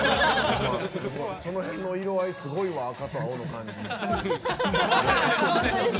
その辺の色合いすごいわ赤と青の感じ。